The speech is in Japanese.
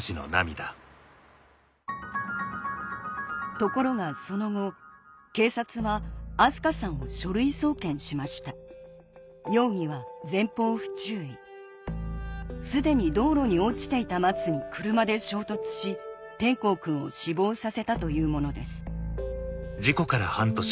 ところがその後警察は明日香さんを書類送検しました容疑は前方不注意すでに道路に落ちていた松に車で衝突し皇くんを死亡させたというものです